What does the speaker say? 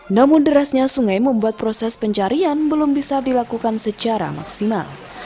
namun derasnya sungai membuat proses pencarian belum bisa dilakukan secara maksimal